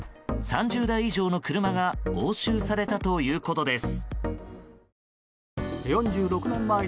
３０台以上の車が押収されたということです。